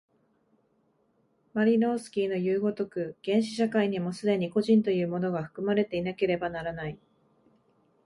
マリノースキイのいう如く、原始社会にも既に個人というものが含まれていなければならない。